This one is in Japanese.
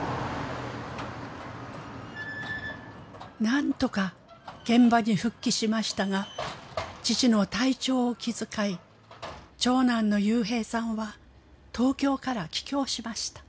なんとか現場に復帰しましたが父の体調を気遣い長男の侑平さんは東京から帰郷しました。